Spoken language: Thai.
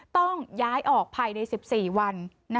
ต้องย้ายออกภายใน๑๔วัน